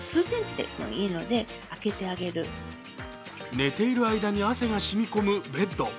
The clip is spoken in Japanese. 寝ている間に汗がしみ込むベッド。